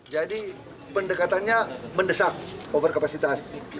jadi pendekatannya mendesak over kapasitas